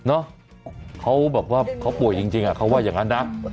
เนอะเขาแบบว่าเขาปวดจริงจริงอ่ะเขาว่าอย่างนั้นนะ